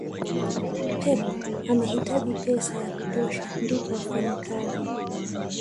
pep amahitaji pesa ya kutosha ndipo afanye kazi